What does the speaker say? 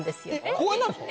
公園なんですか？